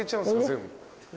全部。